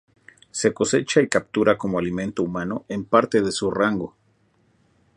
Se cosecha y captura como alimento humano en parte de su rango.